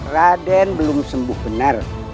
raden belum sembuh benar